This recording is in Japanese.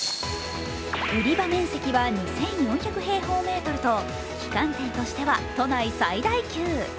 売り場面積は２４００平方メートルと旗艦店としては都内最大級。